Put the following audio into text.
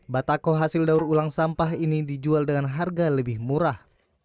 batako hasil daur ulang sampah ini dijual dengan harga lebih murah